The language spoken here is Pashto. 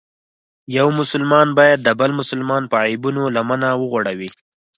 یو مسلمان باید د بل مسلمان په عیبونو لمنه وغوړوي.